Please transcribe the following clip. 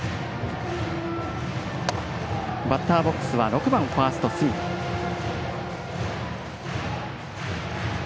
バッターボックスは６番、ファースト、隅田。